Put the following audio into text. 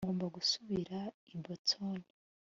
ngomba gusubira i boston